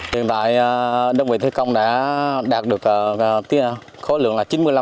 hiện tại đơn vị thi công đã đạt được khối lượng là chín mươi năm